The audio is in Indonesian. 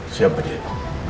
siapa dia pak